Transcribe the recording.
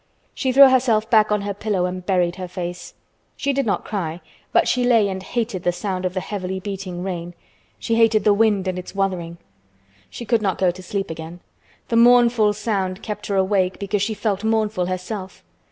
She threw herself back on her pillow and buried her face. She did not cry, but she lay and hated the sound of the heavily beating rain, she hated the wind and its "wuthering." She could not go to sleep again. The mournful sound kept her awake because she felt mournful herself.